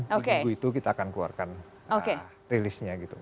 seminggu itu kita akan keluarkan rilisnya gitu